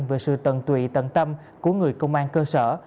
về sự tận tụy tận tâm của người công an cơ sở